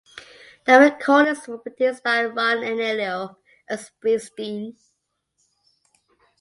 The recordings were produced by Ron Aniello and Springsteen.